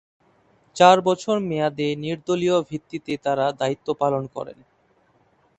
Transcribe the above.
চার বছর মেয়াদে নির্দলীয় ভিত্তিতে তারা দায়িত্ব পালন করেন।